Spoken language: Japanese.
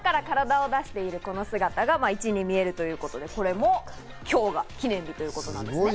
この姿が１に見えるということで、これも今日が記念日ということですね。